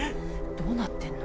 どうなってるの？